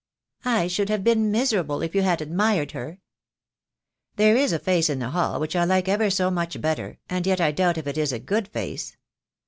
"I should have been miserable if you had admired her." "There is a face in the hall which I like ever so much better, and yet I doubt if it is a good face."